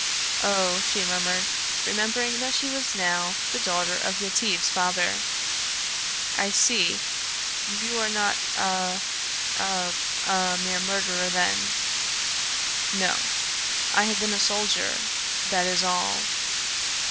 "Oh," she murmured, remembering that she was now the daughter of Yetive's father. "I see. You are not a a a mere murderer, then?" "No. I have been a soldier that is all."